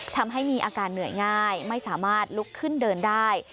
ทำให้มีอาการเหนื่อยง่ายไม่สามารถลุกขึ้นเดินได้